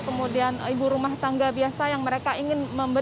kemudian ibu rumah tangga biasa yang mereka ingin membeli